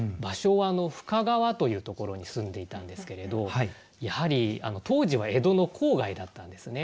芭蕉は深川というところに住んでいたんですけれどやはり当時は江戸の郊外だったんですね。